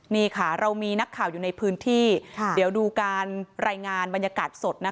นี่ค่ะเรามีนักข่าวอยู่ในพื้นที่เดี๋ยวดูการรายงานบรรยากาศสดนะคะ